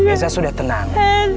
esa sudah tenang